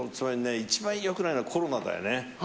一番良くないのはコロナだよね。